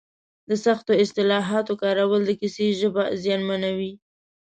د سختو اصطلاحاتو کارول د کیسې ژبه زیانمنوي.